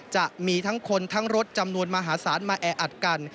จะมีทั้งคนทั้งรถจำนวนมหาศาลมาแออัดกัน